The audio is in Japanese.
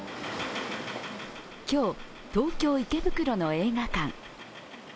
今日、東京・池袋の映画館。